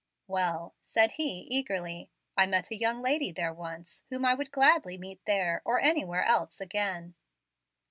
"Well," said he, eagerly, "I met a young lady there once, whom I would gladly meet there or anywhere else again."